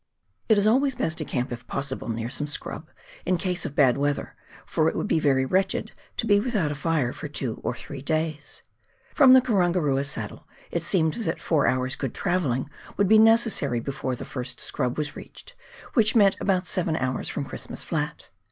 It is always best to camp, if possible, near some scrub, in case of bad weather, for it would be very wretched to be without a fire for two or three days. From the Karangarua saddle it seemed that four hours' good travelling would be necessary before the first scrub was reached, which meant about seven hours from Christmas Flat.